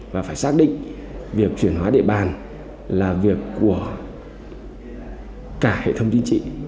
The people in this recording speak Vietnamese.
và phải xác định việc chuyển hóa địa bàn là việc của cả hệ thống chính trị